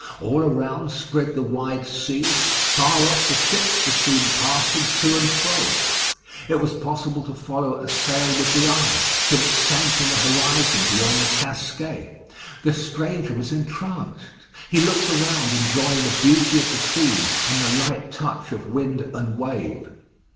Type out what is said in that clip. All around spread the wide sea; far off the ships were seen passing to and fro. It was possible to follow a sail with the eye, till it sank in the horizon beyond the Casquets. The stranger was entranced: he looked around, enjoying the beauty of the scene, and the light touch of wind and wave.